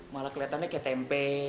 malah kelihatannya seperti tempe